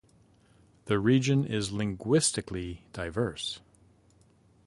The region is linguistically diverse.